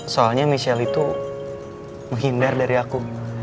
soalnya michelle itu menghindar dari aku